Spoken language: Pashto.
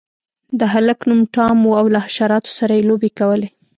د هلک نوم ټام و او له حشراتو سره یې لوبې کولې.